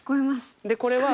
でこれは。